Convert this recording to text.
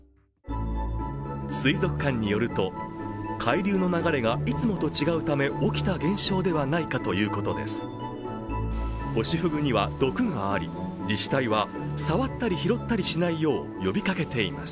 水族館によると、海流の流れがいつもと違うため起きた現象ではないかということです。